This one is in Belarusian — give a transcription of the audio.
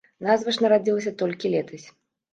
Назва ж нарадзілася толькі летась.